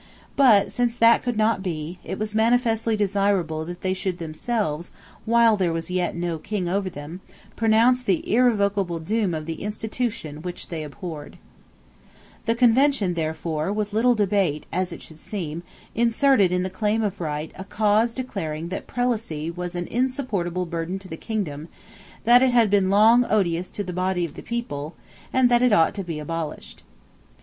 But, since that could not be, it was manifestly desirable that they should themselves, while there was yet no King over them, pronounce the irrevocable doom of the institution which they abhorred, The Convention, therefore, with little debate as it should seem, inserted in the Claim of Right a clause declaring that prelacy was an insupportable burden to the kingdom, that it had been long odious to the body of the people, and that it ought to be abolished.